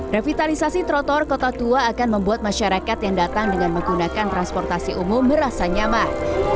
revitalisasi trotoar kota tua akan membuat masyarakat yang datang dengan menggunakan transportasi umum merasa nyaman